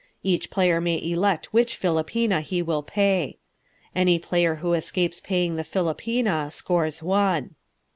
Each player may elect which philopena he will pay. Any player who escapes paying the philopena scores one.